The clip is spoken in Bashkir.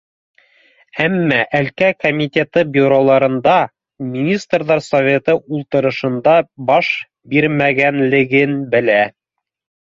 Әммә әлкә комитет бюроларында, Министрҙар Советы ултырышында баш бирмәгәнлеген белә